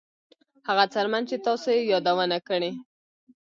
هغه څرمن چې تاسو یې یادونه کړې